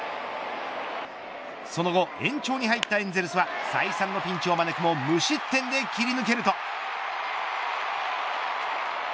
その後、延長に入ったエンゼルスは再三のピンチを招くも無失点で切り抜けると。